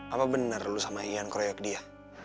apa benar lu sama ian kroyok dia